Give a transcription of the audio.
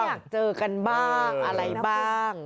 อยากเจอกันบ้างอะไรบ้าง